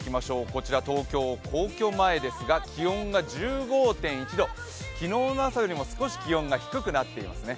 こちら東京の皇居前ですが気温が１５．１度、昨日の朝よりも少し気温が低くなっていますね。